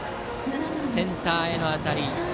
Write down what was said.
センターへの当たり。